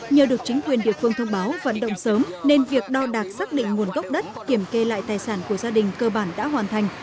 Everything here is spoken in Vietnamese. nhờ được chính quyền địa phương thông báo vận động sớm nên việc đo đạc xác định nguồn gốc đất kiểm kê lại tài sản của gia đình cơ bản đã hoàn thành